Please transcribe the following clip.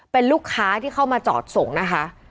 เป็นลูกค้าที่เข้ามาจอดส่งนะคะ